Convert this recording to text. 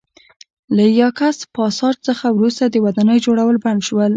له یاکس پاساج څخه وروسته د ودانیو جوړول بند شول